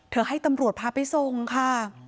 เธอให้ตำรวจพาไปทรงค่ะ